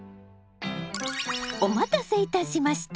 お待たせいたしました。